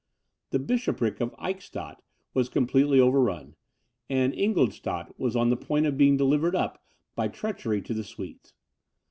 The bishopric of Eichstadt was completely overrun, and Ingoldstadt was on the point of being delivered up by treachery to the Swedes.